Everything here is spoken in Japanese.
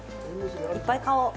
いっぱい買おう。